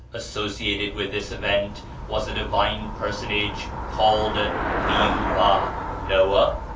Associated with this event was a divine personage called Niu va (Noah?).